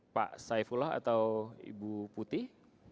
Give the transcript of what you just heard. pak saifullah atau ibu putih